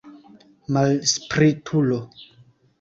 Malspritulo!